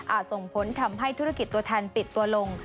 ส่งผลทำให้ธุรกิจตัวแทนปิดตัวลง